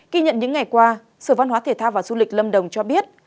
kỳ nhận những ngày qua sở văn hóa thể thao và du lịch lâm đồng cho biết